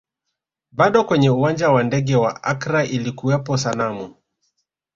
Bado kwenye uwanja wa ndege wa Accra ilikuwepo sanamu